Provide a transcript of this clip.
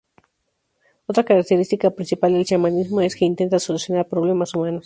Otra característica principal del chamanismo es que intenta solucionar problemas humanos.